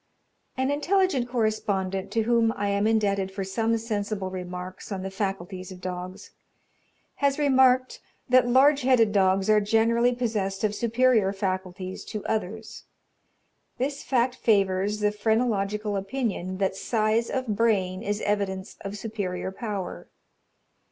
An intelligent correspondent, to whom I am indebted for some sensible remarks on the faculties of dogs, has remarked that large headed dogs are generally possessed of superior faculties to others. This fact favours the phrenological opinion that size of brain is evidence of superior power.